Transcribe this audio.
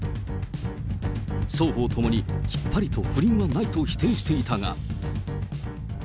双方ともに、きっぱりと不倫はないと否定していたが。